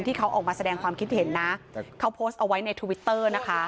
ที่เขาออกมาแสดงความคิดเห็นนะเขาโพสต์เอาไว้ในทวิตเตอร์นะคะ